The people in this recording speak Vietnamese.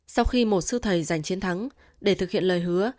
sau khi một sư thầy giành chiến thắng để thực hiện lời hứa